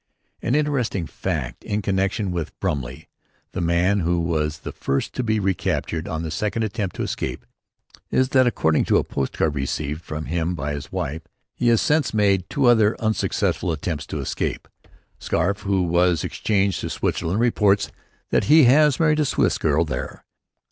An interesting fact in connection with Brumley, the man who was the first to be recaptured on the second attempt to escape, is that according to a post card received from him by his wife, he has since made two other unsuccessful attempts at escape. Scarfe, who was exchanged to Switzerland, reports that he has married a Swiss girl there.